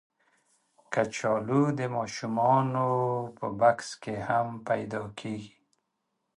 کچالو د ماشومانو بکس کې هم پیدا کېږي